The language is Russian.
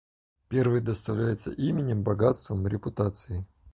Первый доставляется именем, богатством, репутацией.